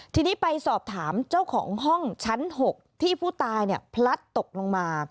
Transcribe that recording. ทีนี้ไปสอบถามเจ้าของห้องชั้น๖ที่ผู้ตายพลัดตกลงมา